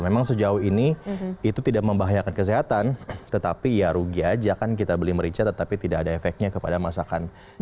memang sejauh ini itu tidak membahayakan kesehatan tetapi ya rugi aja kan kita beli merica tetapi tidak ada efeknya kepada masakan